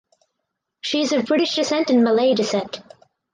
She is of British descent and Malay descent.